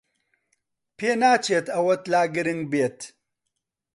پێناچێت ئەوەت لا گرنگ بێت.